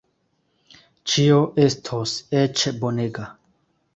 Ĉio estos eĉ bonega.